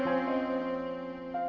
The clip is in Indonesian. aku mau kemana